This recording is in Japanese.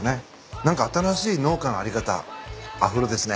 何か新しい農家の在り方アフロですね。